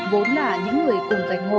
vốn là những người cùng cạnh ngộ